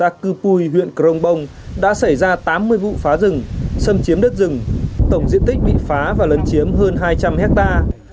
trong chiếm đất rừng tổng diện tích bị phá và lấn chiếm hơn hai trăm linh hectare